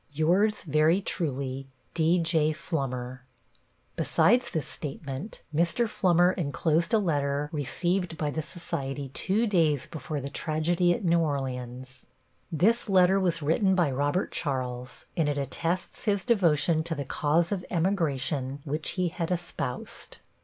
Yours, very truly, D.J. Flummer Besides this statement, Mr. Flummer enclosed a letter received by the Society two days before the tragedy at New Orleans. This letter was written by Robert Charles, and it attests his devotion to the cause of emigration which he had espoused.